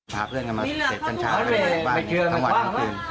ถามเรื่องกันมาเสพกัญชาในวันทั้งวันทั้งคืน